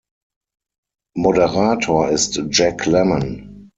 Moderator ist Jack Lemmon.